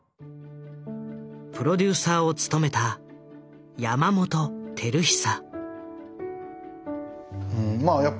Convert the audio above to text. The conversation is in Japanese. プロデューサーを務めた山本晃久。